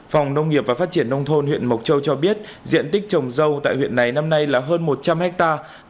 phòng nông nghiệp và phát triển nông thôn huyện mộc châu cho biết diện tích trồng dâu tại huyện này năm nay là hơn một trăm linh hectare